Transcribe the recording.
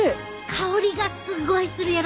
香りがすっごいするやろ！